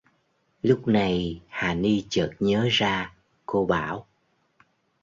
Lúc này hà ni chợt nhớ ra cô bảo